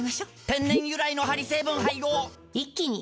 天然由来のハリ成分配合一気に！